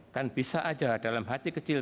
kan bisa aja dalam hati kecil